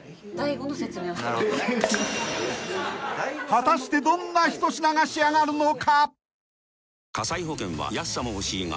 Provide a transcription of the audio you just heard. ［果たしてどんな一品が仕上がるのか！？］